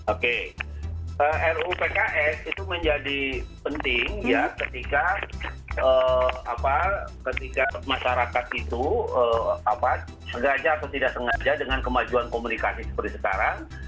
oke ruu pks itu menjadi penting ya ketika masyarakat itu sengaja atau tidak sengaja dengan kemajuan komunikasi seperti sekarang